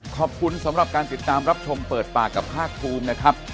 ขอบคุณสำหรับการติดตามรับชมเปิดปากกับภาคภูมินะครับ